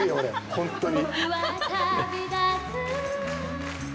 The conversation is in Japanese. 本当に。